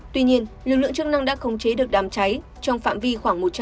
tuy nhiên lực lượng chức năng đã khống chế được đám cháy trong phạm vi khoảng một trăm linh